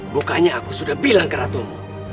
bukannya aku sudah bilang ke ratumu